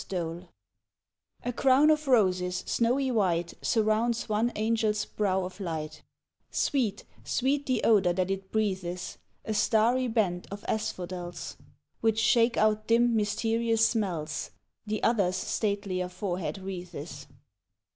30 TWO ANGELS A crown of roses snowy white Surrounds one Angel's brow of light, Sweet, sweet the odor that it breathes ; A starry band of asphodels, Which shake out dim, mysterious smells, The other's statelier forehead wreathes.